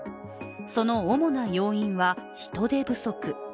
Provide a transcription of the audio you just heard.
その主な要因は人手不足。